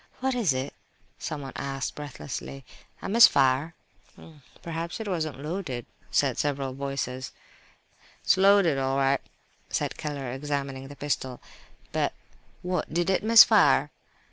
"What is it?" someone asked, breathlessly—"A misfire?" "Perhaps it wasn't loaded," said several voices. "It's loaded all right," said Keller, examining the pistol, "but—" "What! did it miss fire?"